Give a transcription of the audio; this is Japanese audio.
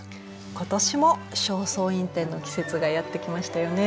今年も「正倉院展」の季節がやってきましたよね。